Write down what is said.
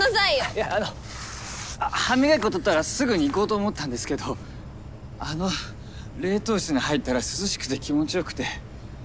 いやあの歯磨き粉取ったらすぐに行こうと思ったんですけどあの冷凍室に入ったら涼しくて気持ちよくて。